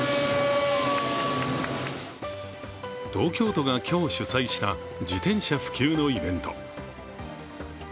東京都が今日、主催した自転車普及のイベント。